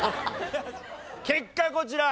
結果こちら。